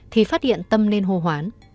thì phát hiện tâm lên hô hoán